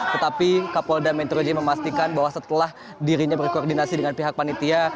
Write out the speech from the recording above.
tetapi kapolda metro jaya memastikan bahwa setelah dirinya berkoordinasi dengan pihak panitia